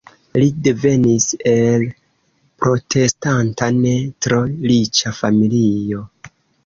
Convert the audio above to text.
Li devenis el protestanta ne tro riĉa familio.